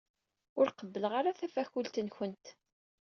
Ur qebbleɣ ara tafakult-nwent.